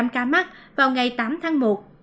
ca mắc vào ngày tám tháng một